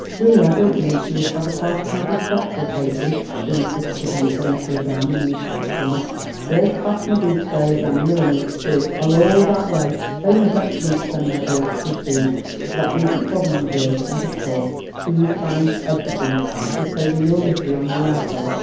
Really, I don't believe she would have a particle of respect for a patron who insisted upon paying for a gown the minute it was finished. First class modistes and milliners, too, are all that way; they know better than to send their bills too soon. So that needn't bother you, dear; and of course Pryse finds everything, which will save enormously on your outlay."